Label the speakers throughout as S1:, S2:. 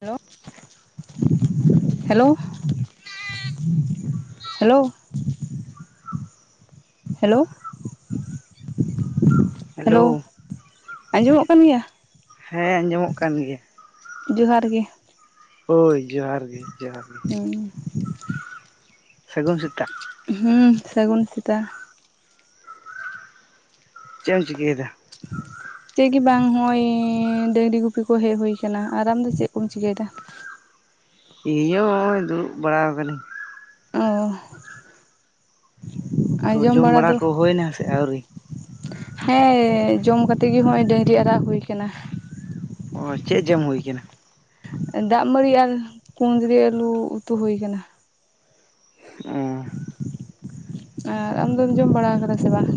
S1: Hello hello hello hello hello ᱟᱸᱡᱚᱢᱚᱜ ᱠᱟᱱ ᱜᱮᱭᱟ
S2: ᱦᱮᱸ ᱟᱸᱡᱚᱢᱚᱜ ᱠᱟᱱ ᱜᱮᱭᱟ
S1: ᱡᱚᱦᱟᱨ ᱜᱮ
S2: ᱦᱳᱭ ᱡᱚᱦᱟᱨ ᱜᱮ ᱡᱚᱦᱟᱨ ᱜᱮ
S1: ᱦᱩᱸ
S2: ᱥᱟᱹᱜᱩᱱ ᱥᱮᱛᱟᱜ
S1: ᱦᱩᱸ ᱥᱟᱹᱜᱩᱱ ᱥᱮᱛᱟ
S2: ᱪᱮᱫ ᱮᱢ ᱪᱤᱠᱟᱹᱭᱮᱫᱟ
S1: ᱪᱮᱫᱜᱮ ᱵᱟᱝ ᱦᱚᱜᱼᱚᱭ ᱰᱟᱹᱝᱨᱤ ᱜᱩᱯᱤ ᱠᱚ ᱦᱮᱡᱽ ᱦᱩᱭ ᱠᱟᱱᱟ ᱟᱨ ᱟᱢᱫᱚ ᱪᱮᱫ ᱠᱚᱢ ᱪᱤᱠᱟᱹᱭᱮᱫᱟ
S2: ᱤᱧ ᱦᱚᱸ ᱦᱚᱜᱼᱚᱭ ᱫᱩᱲᱩᱵ ᱵᱟᱲᱟᱣ ᱠᱟᱱᱟᱹᱧ
S1: ᱚ ᱟᱸ
S2: ᱛᱚ
S1: ᱡᱚᱢ ᱵᱟᱲᱟ ᱫᱚ
S2: ᱠᱚ ᱦᱩᱭᱱᱟ ᱥᱮ ᱟᱹᱣᱨᱤ
S1: ᱦᱮᱸ ᱡᱚᱢ ᱠᱟᱛᱮᱫ ᱜᱮ ᱱᱚᱜᱼᱚᱭ ᱰᱟᱹᱝᱨᱤ ᱟᱨᱟᱜ ᱦᱩᱭ ᱠᱟᱱᱟ
S2: ᱚ ᱪᱮᱜ ᱡᱮᱢ ᱦᱳᱭ ᱠᱟᱱᱟ?
S1: ᱫᱟᱜ ᱢᱟᱹᱲᱤ ᱟᱨ ᱠᱩᱸᱫᱽᱨᱤ ᱟᱹᱞᱩ ᱩᱛᱩ ᱦᱩᱭ ᱠᱟᱱᱟ
S2: ᱚᱸ
S1: ᱟᱨ ᱟᱢᱫᱚᱢ ᱡᱚᱢ ᱵᱟᱲᱟ ᱠᱟᱫᱟ ᱥᱮ ᱵᱟᱝ?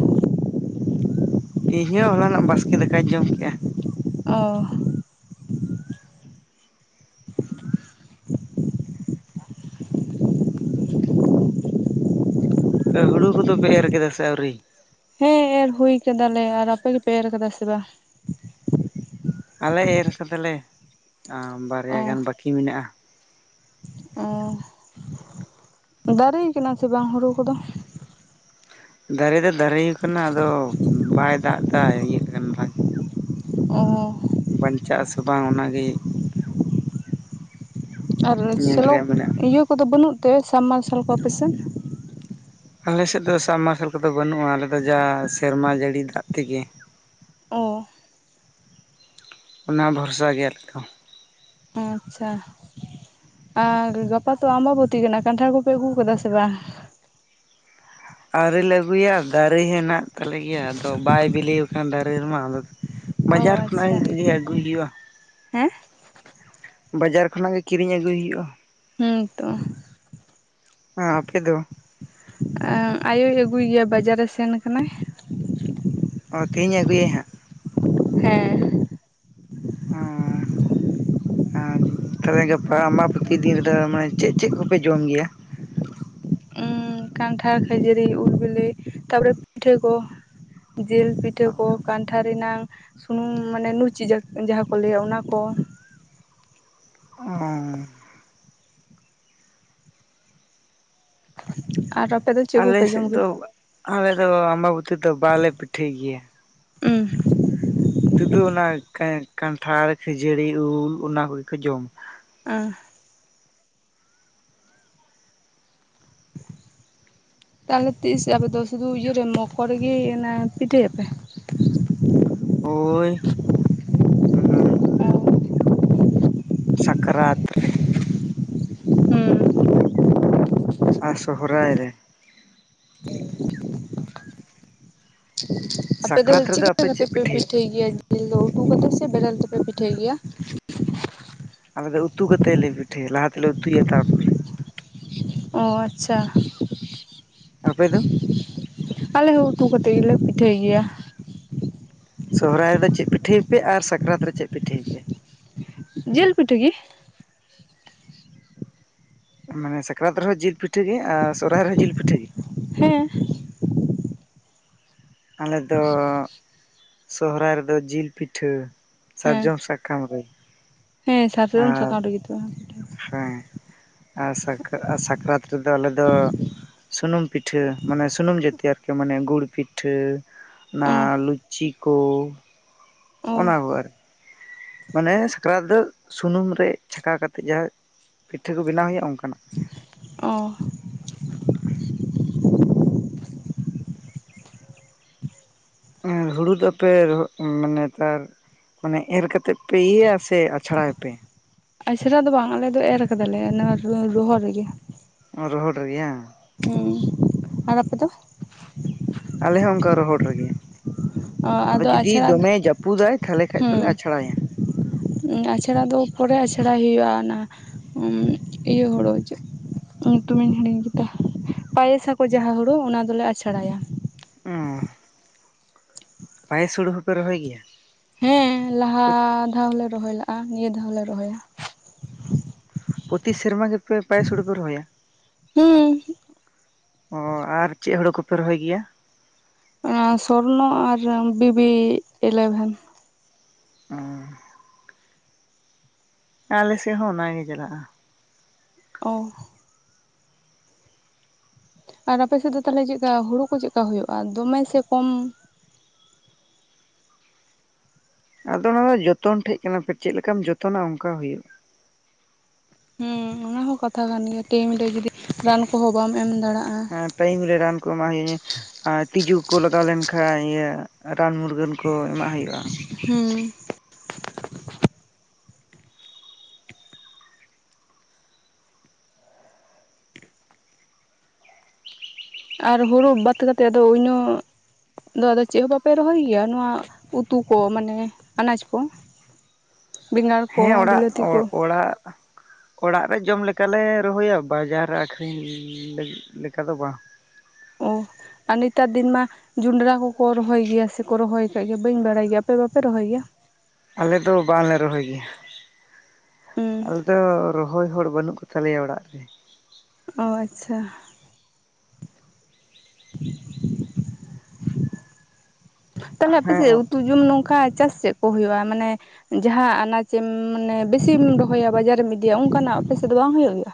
S2: ᱤᱧ ᱦᱚᱸ ᱦᱚᱞᱟᱱᱟᱜ ᱵᱟᱥᱠᱮ ᱫᱟᱠᱟᱧ ᱡᱚᱢ ᱠᱮᱜᱼᱟ᱾
S1: ᱚ
S2: ᱦᱩᱲᱩ ᱠᱚᱫᱚ ᱯᱮ ᱮᱨ ᱠᱮᱫᱟ ᱥᱮ ᱟᱹᱣᱨᱤ?
S1: ᱦᱮᱸ ᱮᱨ ᱦᱩᱭ ᱠᱮᱫᱮᱞᱮ ᱟᱨ ᱟᱯᱮ ᱫᱚᱯᱮ ᱮᱨ ᱠᱟᱫᱟ ᱥᱮ ᱵᱟᱝ?
S2: ᱟᱞᱮ ᱮᱨ ᱠᱟᱫᱟᱞᱮ ᱟ
S1: ᱚ
S2: ᱵᱟᱨᱭᱟ ᱜᱟᱱ ᱵᱟᱹᱠᱤ ᱢᱮᱱᱟᱜᱼᱟ᱾
S1: ᱚ ᱫᱟᱹᱨᱮ ᱠᱟᱱᱟ ᱥᱮ ᱵᱟᱝ ᱦᱩᱲᱩ ᱠᱚᱫᱚ
S2: ᱫᱟᱹᱨᱮ ᱫᱚ ᱫᱟᱹᱨᱮ ᱠᱟᱱᱟ ᱟᱫᱚ ᱵᱟᱭ ᱫᱟᱜᱽ ᱫᱟᱭ ᱤᱭᱟᱹᱜ ᱠᱟᱱ ᱨ
S1: ᱚ
S2: ᱵᱟᱧᱪᱟᱜ ᱟ ᱥᱮ ᱵᱟᱝ ᱚᱱᱟᱜᱤ
S1: ᱟᱨ
S2: ᱧᱮᱞ
S1: ᱥᱮᱞᱚ
S2: ᱨᱮᱭᱟᱜ ᱢᱮᱱᱟᱜᱼᱟ
S1: ᱤᱭᱟᱹ ᱠᱚᱫᱚ ᱵᱟᱹᱱᱩᱜ ᱛᱮ ᱥᱟᱵᱢᱟᱨᱥᱟᱞ ᱠᱚ ᱟᱯᱮᱥᱮᱱ?
S2: ᱟᱞᱮ ᱥᱮᱫ ᱫᱚ ᱥᱟᱵᱢᱟᱨᱥᱟᱞ ᱠᱚᱫᱚ ᱵᱟᱹᱱᱩᱜᱼᱟ ᱟᱞᱮᱫᱚ ᱡᱟ ᱥᱮᱨᱢᱟ ᱡᱟᱹᱲᱤ ᱫᱟᱜᱽ ᱛᱮᱜᱮ ᱾
S1: ᱚ
S2: ᱚᱱᱟ ᱵᱷᱚᱨᱥᱟ ᱜᱮ ᱟᱞᱮᱫᱚ
S1: ᱚᱸᱪᱷᱟ ᱟᱨ ᱜᱟᱯᱟ ᱛᱚ ᱟᱵᱟᱵᱚᱛᱤ ᱠᱟᱱᱟ ᱠᱟᱱᱴᱷᱟᱲ ᱠᱚᱯᱮ ᱟᱹᱜᱩ ᱠᱟᱫᱟ ᱥᱮ ᱵᱟᱝ?
S2: ᱟᱹᱣᱨᱤᱞᱮ ᱟᱹᱜᱩᱭᱟ ᱫᱟᱨᱮ ᱦᱮᱱᱟᱜ ᱛᱟᱞᱮ ᱜᱮᱭᱟ ᱟᱫᱚ ᱵᱟᱭ ᱵᱤᱞᱤᱣᱠᱟᱱ ᱫᱟᱹᱨᱮ ᱨᱮᱢᱟ ᱟᱫᱚ
S1: ᱚ
S2: ᱵᱟᱡᱟᱨ ᱠᱷᱚᱱᱟᱜ
S1: ᱟᱪᱪᱷᱟ
S2: ᱜᱮ ᱤᱫᱤ ᱟᱹᱜᱩᱭ ᱦᱩᱭᱩᱜᱼᱟ᱾
S1: ᱦᱮᱸ
S2: ᱵᱟᱡᱟᱨ ᱠᱷᱚᱱᱟᱜ ᱜᱮ ᱠᱤᱨᱤᱧ ᱟᱹᱜᱩᱭ ᱦᱩᱭᱩᱜᱼᱟ᱾
S1: ᱦᱩᱸ ᱛᱚ
S2: ᱚᱸ ᱟᱯᱮ ᱫᱚ
S1: ᱟᱭᱳᱭ ᱟᱹᱜᱩᱭ ᱜᱮᱭᱟ ᱵᱟᱡᱟᱨ ᱮ ᱥᱮᱱ ᱠᱟᱱᱟᱭ
S2: ᱚ ᱛᱮᱦᱤᱧ ᱮ ᱟᱹᱜᱩᱭᱟᱹ ᱦᱟᱸᱜ?
S1: ᱦᱮᱸ
S2: ᱚᱸ ᱟᱨ ᱛᱚᱵᱮ ᱜᱟᱯᱟ ᱟᱢᱵᱟ ᱯᱳᱛᱤ ᱫᱤᱱ ᱨᱮᱫᱚ ᱢᱟᱱᱮ ᱪᱮᱜᱼᱪᱮᱜ ᱠᱚᱯᱮ ᱡᱚᱢ ᱜᱮᱭᱟ?
S1: ᱠᱟᱱᱴᱷᱟᱲ ᱠᱷᱟᱹᱡᱟᱹᱲᱤ ᱩᱞ ᱵᱮᱞᱮ ᱛᱟᱯᱚᱨᱮ ᱯᱤᱴᱷᱟᱹ ᱠᱚ ᱡᱤᱞ ᱯᱤᱴᱷᱟᱹ ᱠᱚ ᱠᱟᱱᱴᱷᱟ ᱨᱤᱱᱟᱝ ᱥᱩᱱᱩᱢ ᱢᱟᱱᱮ ᱱᱩᱪᱤ ᱡᱟᱠ ᱡᱟᱦᱟᱸ ᱠᱚ ᱞᱟᱹᱭᱟ ᱚᱱᱟ ᱠᱚ
S2: ᱚᱝ
S1: ᱟᱨ ᱟᱯᱮ ᱫᱚ ᱪᱮᱜ
S2: ᱟᱞᱮ
S1: ᱠᱚᱯᱮ ᱡᱚᱢ
S2: ᱥᱮᱫ
S1: ᱜᱮᱭᱟ?
S2: ᱫᱚ ᱟᱞᱮ ᱫᱚ ᱟᱢᱵᱟᱵᱚᱛᱤ ᱨᱮᱫᱚ ᱵᱟᱞᱮ ᱯᱤᱴᱷᱟᱹᱭ ᱜᱮᱭᱟ ᱦᱤᱛᱚᱜ ᱫᱚ ᱚᱱᱟ ᱠᱟᱱᱴᱷᱟᱲ ᱠᱷᱟᱹᱡᱟᱹᱲᱤ ᱩᱞ ᱚᱱᱟ ᱠᱚᱜᱮ ᱠᱚ ᱡᱚᱢᱟ
S1: [unintelligible] ᱛᱟᱞᱮ ᱛᱤᱥ ᱟᱯᱮ ᱫᱚ ᱥᱩᱫᱷᱩ ᱤᱭᱟᱹ ᱨᱮ ᱢᱚᱠᱚᱨ ᱨᱮᱜᱤ ᱮᱱᱮ ᱯᱤᱴᱷᱟ. ᱭᱟᱯᱮ
S2: ᱦᱳᱭ ᱮᱠᱵᱟᱨᱮ ᱥᱟᱠᱨᱟᱛ ᱨᱮ
S1: ᱦᱩᱸ
S2: ᱟᱨ ᱥᱚᱦᱚᱨᱟᱭ ᱨᱮ
S1: ᱟᱯᱮ ᱫᱚ
S2: ᱥᱟᱠᱨᱟᱛ ᱨᱮᱫᱚ
S1: ᱪᱤᱠᱟᱹ
S2: ᱟᱯᱮ ᱪᱮᱫ
S1: ᱠᱟᱛᱮᱯᱮ
S2: ᱯᱮ
S1: ᱯᱤᱴᱷᱟᱹᱭ ᱜᱮᱭᱟ ᱡᱤᱞ ᱫᱚ ᱩᱛᱩ ᱠᱟᱛᱮᱜ ᱥᱮ ᱵᱮᱨᱮᱞ ᱛᱮᱯᱮ ᱯᱤᱴᱷᱟᱹᱭ ᱜᱮᱭᱟ
S2: ᱟᱞᱮ ᱫᱚ ᱩᱛᱩ ᱠᱟᱛᱮᱫ ᱞᱮ ᱯᱤᱴᱷᱟᱹᱭᱟ ᱞᱟᱦᱟ ᱛᱮᱞᱮ ᱩᱛᱩᱭᱟ ᱛᱟᱨᱯᱚᱨ
S1: ᱚ ᱟᱪᱪᱷᱟ
S2: ᱟᱯᱮ ᱫᱚ
S1: ᱟᱞᱮ ᱦᱚᱸ ᱩᱛᱩ ᱠᱟᱛᱮᱫ ᱜᱮᱞᱮ ᱯᱤᱴᱷᱟᱹᱭ ᱜᱮᱭᱟ
S2: ᱥᱚᱦᱨᱟᱭ ᱨᱮᱫᱚ ᱪᱮᱜ ᱯᱤᱴᱷᱟᱹᱭ ᱯᱮ ᱟᱨ ᱥᱟᱠᱨᱟᱛ ᱨᱮ ᱪᱮᱜ ᱯᱤᱴᱷᱟᱹᱭ ᱟᱯᱮ ᱾
S1: ᱡᱮᱞ ᱯᱤᱴᱷᱟᱹ ᱜᱮ
S2: ᱢᱟᱱᱮ ᱥᱟᱠᱨᱟᱛ ᱨᱮᱦᱚᱸ ᱡᱮᱞ ᱯᱤᱴᱷᱟᱹ ᱜᱮ ᱟᱨ ᱥᱚᱦᱚᱨᱟᱭ ᱨᱮᱦᱚᱸ ᱡᱮᱞ ᱯᱤᱴᱷᱟᱹ ᱜᱮ
S1: ᱦᱮᱸ
S2: ᱟᱞᱮ ᱫᱚ ᱥᱚᱦᱚᱨᱟᱭ ᱨᱮᱫᱚ ᱡᱤᱞ ᱯᱤᱴᱷᱟᱹ
S1: ᱦᱮᱸ
S2: ᱥᱟᱨᱡᱚᱢ ᱥᱟᱠᱟᱢ ᱨᱮ
S1: ᱦᱮᱸ ᱥᱟᱨᱡᱚᱢ
S2: ᱟᱨ
S1: ᱥᱟᱠᱟᱢ ᱨᱮᱜᱮᱛᱚ
S2: ᱦᱮᱸ ᱟᱨ ᱥᱟᱠ ᱥᱟᱠᱨᱟᱛ ᱨᱮᱫᱚ ᱟᱞᱮ ᱫᱚ ᱥᱩᱱᱢ ᱯᱤᱴᱷᱟᱹ ᱢᱟᱱᱮ ᱥᱩᱱᱩᱢ ᱡᱟᱛᱤ ᱟᱨᱠᱤ ᱢᱟᱱᱮ ᱜᱩᱲ ᱯᱤ ᱴᱷᱟᱹ ᱚᱱᱟ
S1: ᱚ
S2: ᱞᱩᱪᱤ ᱠᱚ
S1: ᱚ
S2: ᱚᱱᱟ ᱠᱚ ᱟᱨᱠᱤ ᱢᱟᱱᱮ ᱥᱟᱠᱨᱟᱛ ᱫᱚ ᱥᱩᱱᱩᱢ ᱨᱮ ᱪᱷᱟᱠᱟᱣ ᱠᱟᱛᱮᱫ ᱡᱟᱦᱟᱸ ᱯᱤᱴᱷᱟᱹ ᱠᱚ ᱵᱮᱱᱟᱣ ᱦᱩᱭᱩᱜᱼᱟ ᱚᱱᱠᱟᱱᱟᱜ
S1: ᱚ
S2: ᱦᱩᱲᱩ ᱫᱚᱯᱮ ᱢᱟᱱᱮ ᱱᱮᱛᱟᱨ ᱢᱟᱱᱮ ᱮᱨ ᱠᱟᱛᱮᱜ ᱯᱮ ᱤᱭᱟᱹᱭᱟ ᱥᱮ ᱟᱪᱷᱲᱟᱭᱯᱮ
S1: ᱟᱪᱷᱟᱲᱟ ᱫᱚ ᱵᱟᱝ ᱟᱞᱮ ᱫᱚ ᱮᱨ ᱠᱟᱫᱟᱞᱮ ᱱᱚᱣᱟ ᱨᱚᱦᱚᱲ ᱨᱮᱜᱮ
S2: ᱨᱚᱦᱚᱲ ᱨᱮᱜᱮ ᱭᱟᱝ
S1: ᱦᱮᱸ ᱟᱨ ᱟᱯᱮ ᱫᱚ
S2: ᱟᱞᱮ ᱦᱚᱸ ᱚᱱᱠᱟ ᱨᱚᱦᱚᱲ ᱨᱮᱜᱮ
S1: ᱚ
S2: ᱟᱫᱚ ᱡᱩᱫᱤ
S1: ᱟᱪᱷᱲᱟ
S2: ᱫᱚᱢᱮ ᱡᱟᱹᱯᱩᱫᱟᱭ ᱛᱟᱦᱚᱞᱮ ᱠᱷᱟᱡ ᱫᱚᱞᱮ ᱟᱪᱷᱲᱟᱭᱟ
S1: ᱟᱪᱲᱟ ᱫᱚ ᱯᱚᱨᱮ ᱟᱪᱲᱟᱭ ᱦᱩᱭᱩᱜᱼᱟ ᱚᱱᱟ ᱤᱭᱟᱹ ᱦᱩᱲᱩ ᱧᱩᱛᱩᱢᱤᱧ ᱦᱤᱲᱤᱧ ᱠᱮᱫᱟ ᱯᱟᱭᱮᱥᱟᱠᱚ ᱡᱟᱦᱟᱸ ᱦᱩᱲᱩ ᱚᱱᱟ ᱫᱚᱞᱮ ᱟᱪᱷᱲᱟᱭᱟ
S2: ᱚ ᱯᱟᱭᱮᱥ ᱦᱩᱲᱩ ᱦᱚᱸᱯᱮ ᱨᱚᱦᱚᱭ ᱜᱮᱭᱟ
S1: ᱦᱮᱸ ᱞᱟᱦᱟ ᱫᱷᱟᱣ ᱞᱮ ᱨᱚᱦᱚᱭ ᱞᱟᱜᱼᱟ ᱱᱤᱭᱟᱹ ᱫᱷᱟᱣ ᱦᱚᱞᱮ ᱨᱚᱦᱚᱭᱟ
S2: ᱯᱨᱚᱛᱤ ᱥᱮᱨᱢᱟ ᱜᱮᱯᱮ ᱯᱟᱭᱮᱥ ᱦᱳᱲᱳ ᱯᱮ ᱨᱚᱦᱚᱭᱟ
S1: ᱦᱮᱸ
S2: ᱚ ᱟᱨ ᱪᱮᱫ ᱦᱳᱲᱳ ᱠᱚᱯᱮ ᱨᱚᱦᱚᱭ ᱜᱮᱭᱟ
S1: ᱥᱚᱨᱱᱚ ᱟᱨ ᱵᱤᱵᱤ ᱤᱞᱮᱵᱷᱮᱱ
S2: ᱚ ᱟᱞᱮᱥᱮᱫ ᱦᱚᱸ ᱚᱱᱟᱜᱮ ᱪᱟᱞᱟᱜᱼᱟ
S1: ᱳ ᱟᱨ ᱟᱯᱮᱥᱮᱫ ᱫᱚ ᱛᱟᱦᱚᱞᱮ ᱪᱮᱫ ᱞᱮᱠᱟ ᱦᱩᱲᱩ ᱠᱚ ᱪᱮᱫᱠᱟ ᱦᱩᱭᱩᱜᱼᱟ ᱫᱚᱢᱮ ᱥᱮ ᱠᱚᱢ
S2: ᱟᱫᱚ ᱚᱱᱟᱫᱚ ᱡᱚᱛᱚᱱ ᱴᱷᱮᱡ ᱠᱟᱱᱟ ᱠᱷᱮᱴ ᱪᱮᱫ ᱞᱮᱠᱟᱢ ᱡᱚᱛᱚᱱᱟ ᱚᱱᱠᱟ ᱦᱩᱭᱩᱜᱼᱟ
S1: ᱦᱩᱸ ᱚᱱᱟ ᱦᱚᱸ ᱠᱟᱛᱷᱟ ᱠᱟᱱ ᱜᱮᱭᱟ ᱴᱟᱭᱤᱢ ᱨᱮ ᱡᱩᱫᱤ ᱨᱟᱱ ᱠᱚᱦᱚᱸ ᱵᱟᱢ ᱮᱢ ᱫᱟᱲᱟᱜᱼᱟ
S2: ᱴᱟᱭᱤᱢ ᱨᱮ ᱨᱟᱱ ᱠᱚ ᱮᱢᱟᱜ ᱦᱩᱭ ᱟᱨ ᱛᱤᱡᱩ ᱠᱚ ᱞᱟᱜᱟᱣ ᱞᱮᱱ ᱠᱷᱟᱱ ᱤᱭᱟᱹ ᱨᱟᱱ ᱢᱩᱨᱜᱟᱹᱱ ᱠᱚ ᱮᱢᱟᱜ ᱦᱩᱭᱩᱜᱼᱟ
S1: ᱦᱩᱸ ᱟᱨ ᱦᱳᱲᱳ ᱵᱟᱫ ᱠᱟᱛᱮᱫ ᱫᱚ ᱩᱱᱟᱹᱜ ᱫᱤᱭᱮ ᱟᱫᱚ ᱪᱮᱫᱦᱚ ᱵᱟᱯᱮ ᱨᱚᱦᱚᱭ ᱜᱮᱭᱟ ᱱᱚᱶᱟ ᱩᱛᱩ ᱠᱚ ᱢᱟᱱᱮ ᱟᱱᱟᱡᱠᱚ
S2: ᱦᱮᱸ ᱚᱲᱟᱜ ᱚᱲ
S1: ᱠᱚ
S2: ᱚᱲᱟᱜ ᱚᱲᱟᱜ ᱨᱮ ᱡᱚᱢ ᱞᱮᱠᱟᱞᱮ ᱨᱚᱦᱚᱭᱟ ᱵᱟᱡᱟᱨ ᱨᱮ ᱟᱹᱠᱷᱨᱤᱧ ᱞᱟᱹᱜᱤ ᱞᱮᱠᱟ ᱫᱚ ᱵᱟᱝ ᱾
S1: ᱟᱨ ᱱᱮᱛᱟᱨ ᱫᱤᱱ ᱢᱟ ᱡᱚᱸᱰᱨᱟ ᱠᱚᱠᱚ ᱨᱚᱦᱚᱭ ᱜᱮᱭᱟ ᱥᱮᱠᱚ ᱨᱚᱦᱚᱭ ᱠᱟᱜ ᱜᱮᱭᱟ ᱵᱟᱹᱧ ᱵᱟᱲᱟᱭ ᱜᱮᱭᱟ ᱟᱯᱮ ᱵᱟᱯᱮ ᱨᱚᱦᱚᱭ ᱜᱮᱭᱟ ᱾
S2: ᱟᱞᱮ ᱫᱚ ᱵᱟᱝᱞᱮ ᱨᱚᱦᱚᱭ ᱜᱮᱭᱟ
S1: ᱦᱩᱸ
S2: ᱟᱞᱮ ᱫᱚ ᱨᱚᱦᱚᱭ ᱦᱚᱲ ᱵᱟᱹᱱᱩᱜ ᱠᱚ ᱛᱟᱞᱮ ᱚᱲᱟᱜ ᱨᱮ᱾
S1: ᱚ ᱟᱪᱪᱷᱟ, [inaudible] ᱛᱟᱦᱞᱮ
S2: ᱦᱮᱸ
S1: ᱟᱯᱮᱥᱮᱫ ᱩᱛᱩ ᱡᱚᱢ ᱱᱚᱝᱠᱟ ᱪᱟᱥ ᱪᱮᱫ ᱠᱚ ᱦᱩᱭᱩᱜᱼᱟ ᱾ ᱢᱟᱱᱮ ᱡᱟᱦᱟᱸ ᱟᱱᱟᱡᱮᱢ ᱢᱟᱱᱮ ᱵᱮᱥᱤᱢ ᱨᱚᱦᱚᱭᱟ, ᱵᱟᱡᱟᱨᱢ ᱤᱫᱤᱭᱟ, ᱚᱱᱠᱟᱱᱟᱜ ᱟᱯᱮᱥᱮᱫ ᱫᱚ ᱵᱟᱝ ᱦᱩᱭᱩᱜ ᱜᱮᱭᱟ?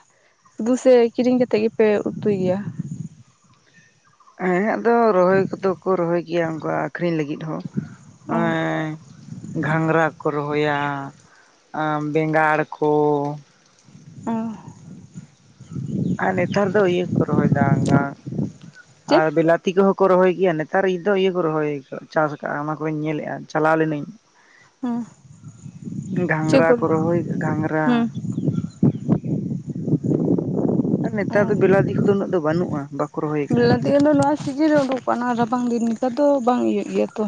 S1: ᱫᱩᱥᱮ ᱠᱤᱨᱤᱧ ᱠᱟᱛᱮᱫ ᱜᱮᱯᱮ ᱩᱛᱩᱭ ᱜᱮᱭᱟ ᱾
S2: ᱦᱮᱸ ᱟᱫᱚ ᱨᱚᱦᱚᱭ ᱠᱚᱫᱚ ᱠᱚ ᱨᱚᱦᱚᱭ ᱜᱮᱭᱟ ᱚᱱᱠᱟ ᱟᱠᱷᱨᱤᱧ ᱞᱟᱹᱜᱤᱫ ᱦᱚᱸ᱾
S1: ᱚ
S2: ᱦᱮᱸ ᱜᱷᱟᱸᱝᱨᱟ ᱠᱚ ᱨᱚᱦᱚᱭᱟ, ᱵᱮᱸᱜᱟᱲ ᱠᱚ,
S1: ᱚ
S2: ᱟᱨ ᱱᱮᱛᱟᱨ ᱫᱚ ᱤᱭᱟᱹᱠᱚ ᱨᱚᱦᱚᱭ ᱫᱟ, ᱜᱟᱸ
S1: ᱪᱮᱫ
S2: ᱵᱤᱞᱟᱛᱤ ᱠᱚᱦᱚᱸ ᱠᱚ ᱨᱚᱦᱚᱭ ᱜᱮᱭᱟ ᱱᱮᱛᱟᱨ ᱫᱚ ᱤᱭᱟᱹ ᱠᱚ ᱨᱚᱦᱚᱭ ᱪᱟᱥ ᱟᱠᱟᱜ᱾ ᱚᱱᱟ ᱠᱚᱧ ᱧᱮᱞᱮᱫᱼᱟ ᱪᱟᱞᱟᱣ ᱞᱮᱱᱟᱹᱧ
S1: ᱦᱮᱸ
S2: ᱜᱷᱟᱝᱨᱟ ᱠᱚ ᱨᱚᱦᱚᱭ ᱜᱷᱟᱝᱨᱟ
S1: ᱦᱮᱸ
S2: ᱟᱨ ᱱᱮᱛᱟᱨ ᱫᱚ
S1: ᱚ
S2: ᱵᱮᱞᱟᱛᱤᱠ ᱠᱚᱫᱚ ᱩᱱᱟᱹᱜ ᱫᱚ ᱵᱟᱹᱱᱩᱜᱼᱟ ᱵᱟ
S1: [unintelligible] ᱱᱚᱣᱟ ᱥᱤᱡᱤᱱ ᱩᱰᱩᱠ ᱠᱟᱱᱟ ᱨᱟᱵᱟᱝ ᱫᱤᱱ ᱞᱮᱠᱟ ᱫᱚ ᱵᱟᱝ ᱤᱭᱟᱹᱜ ᱜᱮᱭᱟ ᱛᱚ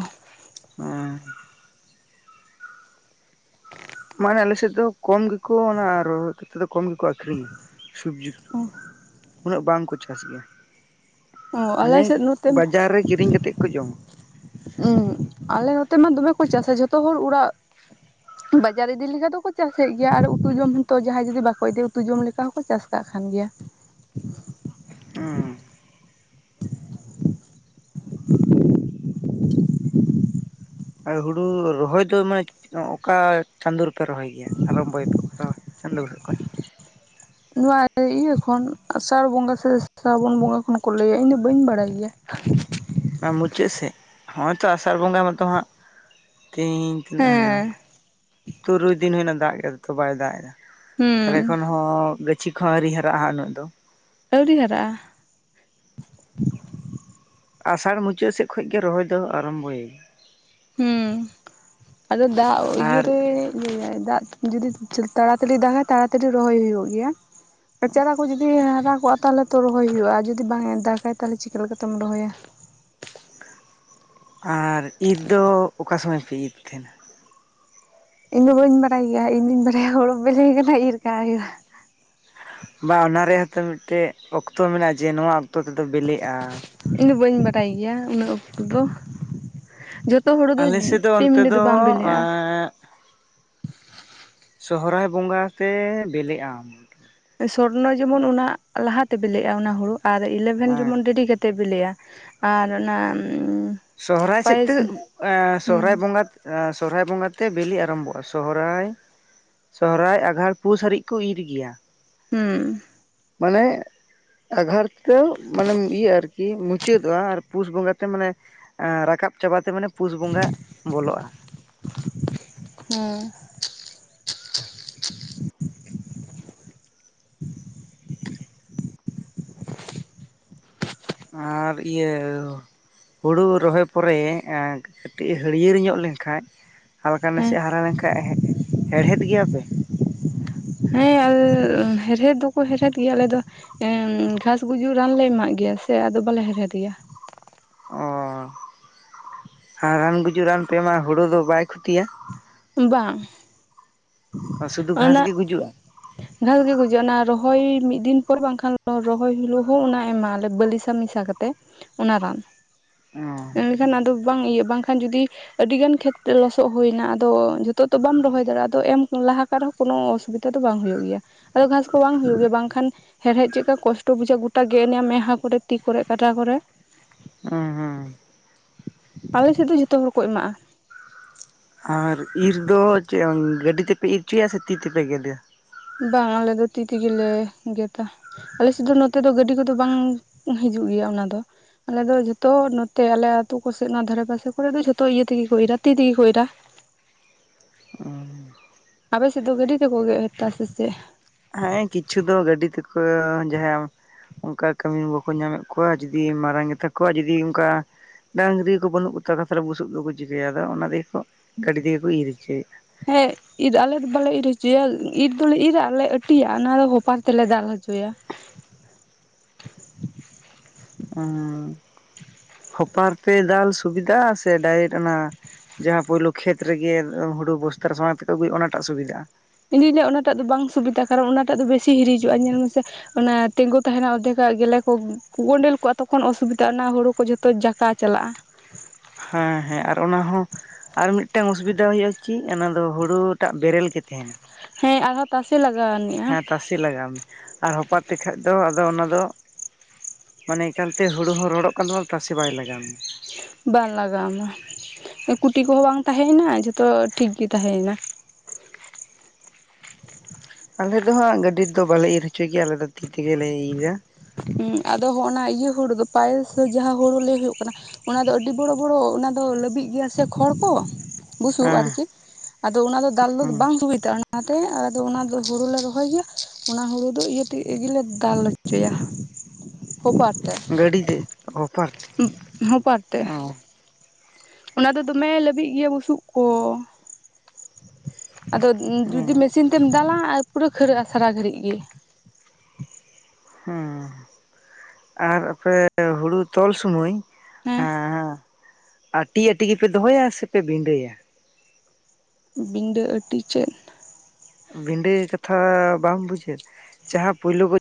S2: ᱚᱸ ᱢᱟᱱᱮ ᱟᱞᱮ ᱥᱮᱫ ᱫᱚ ᱠᱚᱢ ᱜᱮᱠᱚ ᱚᱱᱟ ᱨᱚᱦᱚᱭᱛᱮᱫ ᱫᱚ ᱠᱚᱢ ᱜᱮᱠᱚ ᱟᱠᱷᱨᱤᱧᱟ ᱥᱚᱵᱡᱤ ᱠᱚ ᱩᱱᱟᱹᱜ ᱵᱟᱝᱠᱚ ᱪᱟᱥ ᱜᱮᱭᱟ
S1: ᱚ ᱟᱞᱮ
S2: ᱢᱟᱱᱮ
S1: ᱥᱮᱫ ᱱᱚᱛᱮ
S2: ᱵᱟᱡᱟᱨ ᱨᱮ ᱠᱤᱨᱤᱧ ᱠᱟᱛᱮᱜ ᱠᱚ ᱡᱚᱢᱟ᱾
S1: [unintelligible] ᱟᱞᱮ ᱱᱚᱛᱮ ᱢᱟ ᱫᱚᱢᱮ ᱠᱚ ᱪᱟᱥᱟ ᱡᱷᱚᱛᱚ ᱦᱚᱲ ᱚᱲᱟᱜ ᱵᱟᱡᱟᱨ ᱤᱫᱤ ᱞᱮᱠᱷᱟᱱ ᱫᱚᱠᱚ ᱪᱟᱥᱮᱫ ᱜᱮᱭᱟ ᱟᱨ ᱩᱛᱩ ᱡᱚᱢ ᱦᱚᱸ ᱛᱚ ᱡᱟᱦᱟᱸᱭ ᱡᱩᱫᱤ ᱵᱟᱠᱚ ᱤᱫᱤᱭᱟ ᱩᱛᱩ ᱡᱚᱢ ᱞᱮᱠᱟ ᱦᱚᱸᱠᱚ ᱠᱟᱜ ᱠᱟᱱ ᱜᱮᱭᱟ
S2: ᱦᱩᱸ ᱟᱨ ᱦᱩᱲᱩ ᱨᱚᱦᱚᱭ ᱫᱚ ᱢᱟᱱᱮ ᱚᱠᱟ ᱪᱟᱸᱫᱳ ᱨᱮᱯᱮ ᱨᱚᱦᱚᱭ ᱜᱮᱭᱟ᱾ [unintelligible]
S1: ᱱᱚᱣᱟ ᱤᱭᱟᱹ ᱠᱷᱚᱱ ᱟᱥᱟᱲ ᱵᱚᱸᱜᱟ ᱥᱮ ᱥᱨᱟᱵᱚᱱ ᱵᱚᱸᱜᱟ ᱠᱷᱚᱱ ᱠᱚ ᱞᱟᱹᱭᱟ ᱤᱧ ᱫᱚ ᱵᱟᱹᱧ ᱵᱟᱲᱟᱭ ᱜᱮᱭᱟ
S2: ᱚᱱᱟ ᱢᱩᱪᱟᱹᱫ ᱥᱮᱫ ᱦᱚᱜ ᱛᱚ ᱟᱥᱟᱲ ᱵᱚᱸᱜᱟ ᱢᱟᱛᱚ ᱦᱟᱸᱜ ᱛᱮᱦᱤᱧ ᱛᱤᱱᱟᱹᱜ ᱦᱳᱭᱱᱟ
S1: ᱦᱮᱸ
S2: ᱛᱩᱨᱩᱭ ᱫᱤᱱ ᱦᱩᱭᱱᱟ ᱫᱟᱜ ᱛᱚ ᱵᱟᱭ ᱫᱟᱜ ᱮᱫᱟ
S1: ᱦᱩᱸ
S2: ᱠᱷᱚᱱ ᱦᱚᱸ ᱜᱟᱹᱪᱷᱤ ᱠᱚ ᱦᱚᱸ ᱟᱹᱣᱨᱤ ᱦᱟᱨᱟᱜᱼᱟ ᱩᱱᱟᱹᱜ ᱫᱚ᱾
S1: ᱟᱹᱣᱨᱤ ᱦᱟᱨᱟᱜᱼᱟ᱾
S2: ᱟᱥᱟᱲ ᱢᱩᱪᱟᱹᱫ ᱥᱮᱫ ᱠᱷᱚᱱ ᱜᱮ ᱨᱚᱦᱚᱭ ᱫᱚ ᱟᱨᱚᱢᱵᱚᱭᱚᱭ
S1: ᱦᱩᱸ ᱟᱫᱚ ᱫᱟᱜ ᱤᱭᱟᱹ
S2: ᱟᱨ
S1: ᱨᱮ ᱫᱟᱜ ᱡᱩᱫᱤ ᱛᱟᱲᱟᱛᱟᱹᱲᱤ ᱫᱟᱜᱟᱭ ᱛᱟᱲᱟᱛᱟᱲᱤ ᱨᱚᱦᱚᱭ ᱦᱩᱭᱩᱜ ᱜᱮᱭᱟ ᱟᱨ ᱪᱟᱨᱟ ᱠᱚ ᱡᱩᱫᱤ ᱦᱮᱸ ᱦᱟᱨᱟ ᱠᱚᱜᱼᱟ ᱛᱟᱦᱚᱞᱮ ᱛᱚ ᱨᱚᱦᱚᱭ ᱦᱩᱭᱩᱜᱼᱟ ᱡᱩᱫᱤ ᱵᱟᱝ ᱮ ᱫᱟᱜᱟᱭ ᱛᱟᱦᱚᱞᱮ ᱪᱤᱠᱟᱹ ᱞᱮᱠᱟᱛᱮᱢ ᱨᱚᱦᱚᱭᱟ?
S2: ᱟᱨ ᱤᱛ ᱫᱚ ᱚᱠᱟ ᱥᱚᱢᱚᱹᱭ ᱯᱮ ᱤᱫ ᱛᱟᱦᱮᱱᱟ?
S1: ᱤᱧᱫᱚ ᱵᱟᱹᱧ ᱵᱟᱲᱟᱭ ᱜᱮᱭᱟ ᱤᱧ ᱫᱩᱧ ᱵᱟᱲᱟᱭᱟ ᱦᱳᱲᱳ ᱵᱮᱞᱮ ᱠᱟᱱᱟ ᱤᱨ ᱠᱟᱜ ᱦᱩᱭᱩᱜᱼᱟ᱾
S2: ᱵᱟ ᱚᱱᱟ ᱨᱮᱭᱟᱜ ᱦᱚᱛᱚ ᱢᱤᱫᱴᱮᱡ ᱚᱠᱛᱚ ᱢᱮᱱᱟᱜᱼᱟ ᱡᱮ ᱱᱚᱣᱟ ᱚᱠᱛᱚ ᱛᱮᱫᱚ ᱵᱮᱞᱮᱜᱼᱟ᱾
S1: ᱤᱧ ᱫᱚ ᱵᱟᱹᱧ ᱵᱟᱰᱟᱭ ᱜᱮᱭᱟ ᱩᱱᱟᱹᱜ ᱚᱠᱛᱚ ᱫᱚ, ᱡᱷᱚᱛ ᱛᱚ ᱦᱳᱲᱩ ᱫᱚ
S2: ᱟᱞᱮ ᱥᱮᱫ ᱚᱱᱛᱮ
S1: [unintelligible] ᱫᱚ ᱵᱟᱝ ᱵᱮᱞᱮᱜᱼᱟ ᱾
S2: ᱮᱸ ᱥᱚᱦᱚᱨᱟᱭ ᱵᱚᱸᱜᱟ ᱛᱮ ᱵᱮᱞᱮ ᱟᱢ᱾
S1: ᱥᱚᱨᱱᱚ ᱡᱮᱢᱚᱱ ᱚᱱᱟ ᱞᱟᱦᱟ ᱛᱮ ᱵᱮᱞᱮᱜᱟ ᱚᱱᱟ ᱦᱩᱲᱩ ᱟᱨ ᱤᱨ ᱞᱮᱱᱠᱷᱟᱱ
S2: ᱦᱮᱸ
S1: ᱡᱮᱢᱚᱱ ᱰᱮᱨᱤ ᱠᱟᱛᱮᱜ᱾ ᱛᱮ ᱵᱮᱞᱮᱭᱟ ᱟᱨ ᱚᱱᱟ
S2: ᱥᱚᱦᱚᱨᱟᱭ ᱥᱮᱫ ᱛᱮ
S1: ᱯᱟᱭᱮᱥ ᱦᱩᱸ
S2: ᱥᱚᱦᱚᱨᱟᱭ ᱵᱚᱸᱜᱟ ᱥᱚᱨᱦᱟᱭ ᱵᱚᱸᱜᱟ ᱛᱮ ᱵᱮᱞᱮ ᱟᱨᱟᱢᱵᱷᱚᱜᱼᱟ᱾ ᱥᱚᱦᱨᱟᱭ ᱥᱚᱦᱨᱟᱭ ᱟᱜᱷᱟᱲ ᱯᱩᱥ ᱦᱟᱨᱤᱡ ᱠᱚ ᱤᱨ ᱜᱮᱭᱟ᱾
S1: ᱦᱩᱸ
S2: ᱢᱟᱱᱮ ᱟᱸᱜᱷᱟᱲ ᱛᱮ ᱢᱟᱱᱮᱢ ᱤᱭᱟᱹ ᱟᱨᱠᱤ ᱢᱩᱪᱟᱹᱫᱚᱜᱼᱟ, ᱟᱨ ᱯᱩᱥ ᱵᱚᱸᱜᱟ ᱛᱮ ᱢᱟᱱᱮ ᱨᱟᱠᱟᱵ ᱪᱟᱵᱟ ᱛᱮ ᱢᱟᱱᱮ ᱯᱩᱥ ᱵᱚᱸᱜᱟ ᱵᱚᱞᱚᱜᱼᱟ᱾
S1: ᱦᱩᱸ
S2: ᱟᱨ ᱤᱭᱟᱹ ᱦᱩᱲᱩ ᱨᱚᱦᱚᱭ ᱯᱚᱨᱮ ᱠᱟᱹᱴᱤᱡ ᱦᱟᱹᱲᱭᱟᱹᱲ ᱧᱚᱜ ᱞᱮᱱᱠᱷᱟᱡ, ᱦᱟᱞᱠᱟ
S1: ᱦᱮᱸ
S2: ᱱᱟᱥᱮ ᱦᱟᱨᱟ ᱞᱮᱱᱠᱟᱱᱡ ᱦᱮᱲᱦᱮᱫ ᱜᱮᱭᱟᱯᱮ᱾
S1: ᱦᱮᱸ ᱦᱮᱲᱦᱮᱫ ᱫᱚᱠᱚ ᱦᱮᱲᱦᱮᱫ ᱜᱮᱭᱟ ᱟᱞᱮ ᱫᱚ, ᱩᱸ ᱜᱷᱟᱥ ᱜᱩᱡᱩᱜ ᱨᱟᱱ ᱞᱮ ᱮᱢᱟᱜ ᱜᱮᱭᱟ ᱥᱮ ᱟᱫᱚ ᱵᱟᱞᱮ ᱦᱮᱲᱦᱮᱫ ᱜᱮᱭᱟ᱾
S2: ᱚ ᱟᱨ ᱨᱟᱱ ᱜᱩᱡᱩᱜ ᱨᱟᱱ ᱯᱮ ᱮᱢᱟᱜᱟ ᱦᱩᱲᱳ ᱫᱚ ᱵᱟᱭ ᱠᱷᱚᱛᱤᱭᱟ?
S1: ᱵᱟᱝ
S2: ᱥᱩᱫᱷᱩ ᱜᱷᱟᱥ
S1: ᱚᱱᱟᱜ
S2: ᱜᱮ ᱜᱩᱡᱩᱜᱼᱟ
S1: ᱜᱷᱟᱥ ᱜᱮ ᱜᱩᱡᱩᱜᱼᱟ ᱚᱱᱟ ᱨᱚᱦᱚᱭ ᱢᱤᱫ ᱫᱤᱱ ᱯᱚᱨ ᱵᱟᱝᱠᱷᱟᱱ ᱨᱚᱦᱚᱭ ᱦᱤᱞᱳᱜ ᱦᱚᱸ ᱚᱱᱟ ᱮᱢᱜᱟᱞᱮ ᱵᱟᱞᱤ ᱥ [unintelligible] ᱢᱮᱥᱟ ᱠᱟᱛᱮ ᱚᱱᱟ ᱨᱟᱱ,
S2: ᱚ
S1: ᱮᱱᱠᱷᱟᱱ ᱟᱫᱚ ᱵᱟᱝ ᱤᱭᱟᱹ ᱵᱟᱝᱠᱷᱟᱱ ᱡᱩᱫᱤ ᱟᱹᱰᱤ ᱜᱟᱱ ᱠᱷᱮᱛ ᱞᱚᱥᱚᱜ ᱦᱩᱭᱱᱟ, ᱟᱫᱚ ᱱᱤᱛᱚᱜ ᱫᱚ ᱵᱟᱢ ᱨᱚᱦᱚᱭ ᱫᱟᱲᱮᱭᱟᱜᱼᱟ, ᱟ ᱮᱢ ᱞᱟᱦᱟ ᱨᱮᱦᱚᱸ ᱠᱚᱱᱚ ᱚᱥᱩᱵᱤᱫᱟ ᱫᱚ ᱵᱟᱝ ᱦᱩᱭᱩᱜ ᱜᱮᱭᱟ ᱟᱫᱚ ᱜᱷᱟᱥᱼᱼ ᱵᱟᱝ ᱦᱩᱭᱩᱜ ᱜᱮᱭᱟ ᱵᱟᱝᱠᱷᱟᱱ ᱦᱮᱲᱦᱮᱫ ᱪᱮᱜᱠᱟ ᱠᱚᱥᱴᱚ ᱵᱩᱡᱷᱟᱹᱜᱼᱟ ᱜᱚᱴᱟ ᱜᱮᱫ ᱮᱱᱭᱟ ᱢᱮᱫᱦᱟ ᱠᱚᱨᱮ ᱛᱤ ᱠᱚᱨᱮ ᱠᱟᱴᱟ ᱠᱚᱨᱮ,
S2: [unintelligible]
S1: ᱟᱞᱮ ᱥᱮᱫ ᱫᱚ ᱡᱷᱚᱛᱚ ᱦᱚᱲ ᱠᱚ ᱮᱢᱟᱜᱼᱟ ᱾
S2: ᱟᱨ ᱤᱨ ᱫᱚ ᱪᱮᱫ ᱜᱟᱹᱰᱤ ᱛᱮᱯᱮ ᱤᱨ ᱚᱪᱚᱭᱟ, ᱥᱮ ᱛᱤ ᱛᱮᱯᱮ ᱜᱮᱫᱟ?
S1: ᱵᱟᱝ ᱟᱞᱮ ᱫᱚ ᱛᱤ ᱛᱮᱜᱮᱞᱮ ᱜᱮᱫᱟ᱾ ᱟᱞᱮᱥᱮᱫ ᱫᱚ ᱱᱚᱛᱮ ᱫᱚ ᱜᱟᱹᱰᱤ ᱠᱚᱫᱚ ᱵᱟᱝ ᱦᱤᱡᱩᱜ ᱜᱮᱭᱟ ᱚᱱᱟᱫᱚ ᱾ ᱟᱞᱮ ᱫᱚ ᱡᱷᱚᱛᱚ ᱱᱚᱛᱮ ᱟᱞᱮ ᱟᱛᱩ ᱠᱚᱥᱮᱫ ᱱᱚᱣᱟ ᱫᱷᱟᱨᱮ ᱯᱟᱥᱮ ᱠᱚᱨᱮ ᱫᱚ ᱡᱷᱚᱛᱚ ᱤᱭᱟᱹ ᱛᱮᱜᱮ ᱠᱚ ᱤᱨᱟ ᱛᱤ ᱛᱮᱜᱮ ᱠᱚ ᱤᱨ ᱾
S2: [inaudible]
S1: ᱟᱯᱮ ᱥᱮᱫ ᱫᱚ ᱜᱟᱹᱰᱤ ᱛᱮᱠᱚ ᱜᱮᱫᱛᱟ ᱥᱮ ᱪᱮᱫ,
S2: ᱦᱮᱸ ᱠᱤᱪᱷᱩ ᱫᱚ ᱜᱟᱹᱰᱤ ᱛᱮᱠᱚ ᱡᱟᱦᱟᱭᱟᱢ ᱚᱱᱠᱟ ᱠᱟᱹᱢᱤᱱ ᱵᱟᱠᱚ ᱧᱟᱢᱮᱫ ᱠᱚᱣᱟ ᱡᱩᱫᱤ ᱢᱟᱨᱟᱝ ᱜᱮᱛᱟ ᱠᱚᱣᱟ ᱡᱩᱫᱤ ᱚᱱᱠᱟ ᱰᱟᱹᱝᱨᱤ ᱠᱚ ᱵᱟᱹᱱᱩᱜ [unintelligible] ᱵᱩᱥᱩᱵ ᱫᱚᱠᱚ ᱪᱤᱠᱟᱹᱭᱟᱫᱚ ᱚᱱᱟ ᱛᱮᱜᱮ ᱠᱚ ᱜᱟᱹᱰᱤ ᱛᱮᱜᱮ ᱠᱚ ᱤᱨ ᱚᱪᱚᱭ ᱾
S1: [unintelligible] ᱤᱨ ᱟᱞᱮᱫᱚ ᱵᱟᱞᱮ ᱤᱨ ᱦᱚᱪᱚᱭᱟ ᱤᱨ ᱫᱚᱞᱮ ᱟᱨᱞᱮ ᱟᱹᱴᱤᱭᱟ ᱚᱱᱟᱫᱚ ᱦᱚᱯᱟᱨ ᱛᱮᱞᱮ ᱫᱟᱞ ᱦᱚᱪᱚᱭᱟ ᱾
S2: ᱦᱩᱸ ᱦᱚᱯᱟᱨ ᱛᱮ ᱫᱟᱞ ᱥᱩᱵᱤᱫᱟ ᱥᱮ ᱰᱟᱭᱨᱮᱴ ᱚᱱᱟ ᱾ ᱡᱟᱦᱟᱸ ᱯᱩᱭᱞᱳ ᱠᱷᱮᱛ ᱨᱮᱜᱮ ᱦᱩᱲᱩ ᱵᱚᱥᱛᱟ ᱨᱮ ᱥᱟᱸᱵᱟᱣ ᱠᱟᱛᱮ ᱠᱚ ᱟᱹᱜᱩᱭᱟ ᱚᱱᱟᱴᱟᱜ ᱥᱩᱵᱤᱫᱟᱜᱼᱟ ᱾
S1: ᱤᱧᱫᱩᱧ ᱞᱟᱹᱭᱟ ᱚᱱᱟᱴᱟᱜ ᱫᱚ ᱵᱟᱝ ᱥᱩᱵᱤᱫᱟ ᱠᱟᱨᱚᱱ ᱚᱱᱟᱴᱟᱜ ᱫᱚ ᱵᱮᱥᱤ ᱦᱤᱨᱤᱡᱚᱜᱼᱟ, ᱧᱮᱞ ᱢᱮᱥᱮ ᱚᱱᱟ ᱛᱮᱸᱜᱳ ᱛᱟᱦᱮᱱᱟ ᱚᱫᱫᱷᱮᱠᱟᱜ ᱜᱮᱞᱮ ᱠᱚ ᱜᱚᱸᱰᱮᱞ ᱠᱚᱜᱼᱟ ᱛᱚᱠᱷᱚᱱ ᱚᱥᱩᱵᱤᱛᱟᱜ ᱚᱱᱟ ᱦᱩᱲᱩ ᱠᱚ ᱡᱷᱚᱛᱚ ᱡᱟᱠᱟ ᱪᱟᱞᱟᱜ ᱾
S2: ᱦᱮᱸ ᱦᱮᱸ ᱟᱨ ᱚᱱᱟ ᱦᱚᱸ ᱟᱨ ᱢᱤᱫᱴᱟᱝ ᱚᱥᱩᱵᱤᱫᱟ ᱦᱩᱭᱩᱜᱩᱜᱼᱟ ᱪᱤᱫ ᱚᱱᱟ ᱫᱚ ᱦᱳᱲᱩ ᱴᱟᱜ ᱵᱮᱨᱮᱞ ᱜᱮ ᱛᱟᱦᱮᱱᱟ ᱾
S1: ᱦᱮᱸ ᱟᱨᱦᱚ ᱛᱟᱥᱮ ᱞᱟᱜᱟᱣ ᱟᱱᱤᱜᱼᱟ ᱾
S2: ᱛᱟᱥᱮ ᱞᱟᱜᱟᱣ ᱢᱮ ᱟᱨ ᱦᱚᱯᱟᱨ ᱛᱮᱠᱷᱟᱡ ᱫᱚ ᱟᱫᱚ ᱚᱱᱟ ᱫᱚ, ᱢᱟᱱᱮ ᱮᱠᱟᱞᱛᱮ ᱦᱩᱲᱩ ᱦᱚᱸ ᱨᱚᱲᱚᱜ ᱠᱟᱱ ᱛᱟᱢᱟ ᱛᱟᱥᱮ ᱵᱟᱭ ᱞᱟᱜᱟᱣ ᱢᱮ,
S1: ᱵᱟᱝ ᱞᱟᱜᱟᱣ ᱟᱢᱟ, ᱠᱩᱴᱤ ᱠᱚᱦᱚᱸ ᱵᱟᱝ ᱛᱟᱦᱮᱸᱭᱮᱱᱟ ᱡᱷᱚᱛᱚ ᱴᱷᱤᱠ ᱜᱤ ᱛᱟᱦᱮᱸᱭᱮᱱᱟ ᱾
S2: ᱟᱞᱮ ᱫᱚ ᱦᱟᱸᱜ ᱜᱟᱹᱰᱤ ᱛᱚ ᱵᱟᱞᱮ ᱤᱨ ᱦᱚᱪᱚᱭ ᱜᱮᱭᱟ ᱟᱞᱮ ᱫᱚ ᱛᱤ ᱛᱮᱜᱮᱞᱮ ᱤᱨᱟ ᱾
S1: ᱟᱫᱚ ᱦᱚᱸᱜᱼᱚᱱᱟ ᱤᱭᱟᱹ ᱦᱩᱲᱩ ᱫᱚ ᱯᱟᱭᱮᱥ ᱡᱟᱦᱟᱸ ᱦᱩᱲᱩ ᱞᱟᱹᱭ ᱦᱩᱭᱩᱜ ᱠᱟᱱᱟ ᱾ ᱚᱱᱟ ᱫᱚ ᱟᱹᱰᱤ ᱵᱚᱲᱚ ᱵᱚᱲᱚ ᱚᱱᱟ ᱫᱚ ᱞᱟᱹᱵᱤᱜ ᱜᱮᱭᱟ ᱥᱮ ᱠᱷᱚᱲ ᱠᱚ ᱾ ᱵᱩᱥᱩᱵ
S2: ᱦᱮᱸ
S1: ᱟᱨᱠᱤ ᱟᱫᱚ ᱚᱱᱟ ᱫᱚ ᱫᱟᱞ ᱫᱚ ᱵᱟᱝ
S2: ᱦᱮᱸ
S1: [unintelligible] ᱚᱱᱟᱛᱮ ᱟᱫᱚ ᱚᱱᱟ ᱫᱚ ᱦᱩᱲᱩᱞᱮ ᱨᱚᱦᱚᱭ ᱜᱮᱭᱟ, ᱚᱱᱟ ᱦᱩᱲᱩ ᱫᱚ ᱤᱭᱟᱹ ᱛᱤᱜᱮᱞᱮ ᱫᱟᱞ ᱦᱚᱪᱚᱭᱟ ᱾ ᱠᱳᱯᱟᱴ
S2: ᱜᱟᱹᱰᱤ ᱛᱮ
S1: ᱦᱚᱯᱟᱨ ᱛᱮ
S2: [unintelligible] ᱚᱸ
S1: ᱚᱱᱟ ᱫᱚ ᱫᱚᱢᱮ ᱞᱟᱹᱵᱤᱜ ᱤᱭᱟᱹ ᱵᱩᱥᱩᱵ ᱠᱚ ᱾ ᱟᱫᱚ ᱡᱩᱫᱤ
S2: ᱦᱮᱸ
S1: ᱢᱮᱥᱤᱱ ᱛᱮᱢ ᱫᱟᱞᱟ ᱯᱩᱨᱟᱹ ᱠᱷᱟᱹᱨᱟᱹᱜᱼᱟ ᱥᱟᱨᱟ ᱜᱷᱟᱹᱲᱤᱡ ᱜᱤ ᱾
S2: ᱦᱩᱸ ᱟᱨ ᱟᱯᱮ ᱦᱩᱲᱩ ᱛᱚᱞ ᱥᱩᱢᱟᱹᱭ ᱦᱮᱸ ᱟᱴᱤ ᱟᱴᱤ ᱜᱮᱯᱮ ᱫᱚᱦᱚᱭᱟ, ᱥᱮᱯᱮ ᱵᱤᱸᱰᱟᱹᱭᱟ ᱾
S1: ᱵᱤᱸᱰᱟᱹ ᱟᱹᱴᱤ ᱪᱮᱫ
S2: ᱵᱤᱸᱰᱟᱹ ᱠᱟᱛᱷᱟ ᱵᱟᱢ ᱵᱩᱡᱷᱟᱹᱜ ᱡᱟᱦᱟᱸ ᱯᱩᱭᱞᱚ